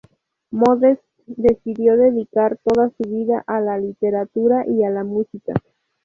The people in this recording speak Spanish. Modest decidió dedicar toda su vida a la literatura y a la música.